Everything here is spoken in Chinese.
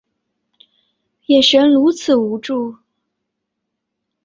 眼神如此无助